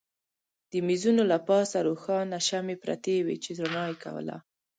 د مېزونو له پاسه روښانه شمعې پرتې وې چې رڼا یې کوله.